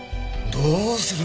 どうする？